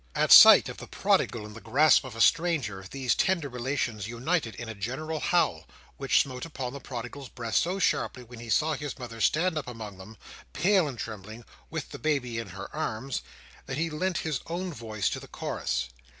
At sight of the prodigal in the grasp of a stranger, these tender relations united in a general howl, which smote upon the prodigal's breast so sharply when he saw his mother stand up among them, pale and trembling, with the baby in her arms, that he lent his own voice to the chorus.